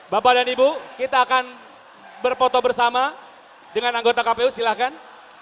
bapak dan ibu kita akan berfoto bersama dengan anggota kpu silahkan